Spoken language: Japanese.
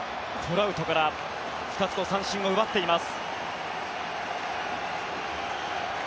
ラウトから２つの三振を奪っています。